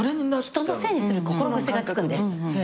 人のせいにする心癖がつくんです。